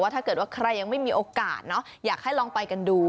ถ้าเกิดว่าใครยังไม่มีโอกาสอยากให้ลองไปกันดู